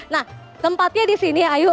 nah tempatnya di sini ayu